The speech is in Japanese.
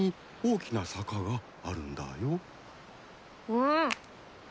うん。